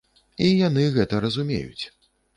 І яны гэта разумеюць.